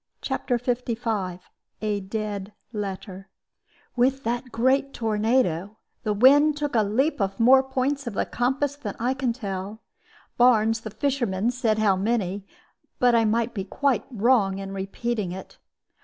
CHAPTER LV A DEAD LETTER With that great tornado, the wind took a leap of more points of the compass than I can tell. Barnes, the fisherman, said how many; but I might be quite wrong in repeating it.